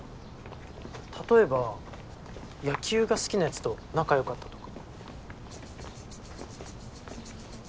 例えば野球が好きなヤツと仲良かったとか。